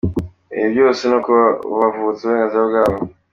Ibi byose ni ukubavutsa uburenganzira bwabo."